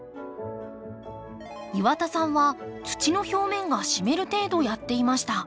岩田さんは土の表面が湿る程度やっていました。